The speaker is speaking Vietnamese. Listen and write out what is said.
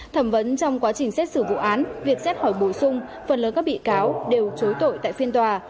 thẩm vấn trong quá trình xét xử vụ án việc xét hỏi bổ sung phần lớn các bị cáo đều chối tội tại phiên tòa